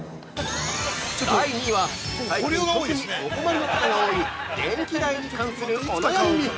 ◆第２位は最近特にお困りの方が多い、電気代に関するお悩み！